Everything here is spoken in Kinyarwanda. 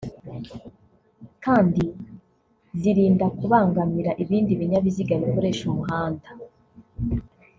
kandi zirinda kubangamira ibindi binyabiziga bikoresha umuhanda